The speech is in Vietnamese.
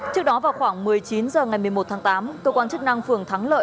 trước đó vào khoảng một mươi chín h ngày một mươi một tháng tám cơ quan chức năng phường thắng lợi